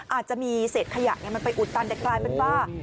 อาจจะมีเศษขยะมันไปอุดตันแต่กลายเป็นว่า